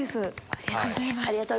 ありがとうございます。